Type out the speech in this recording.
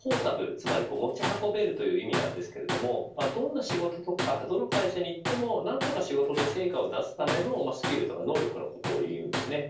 つまり持ち運べるという意味なんですけどもどんな仕事とかどの会社に行っても何とか仕事で成果を出すためのスキルや能力のことをいいます。